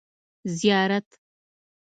زيارت